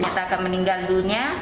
dinyatakan meninggal dunia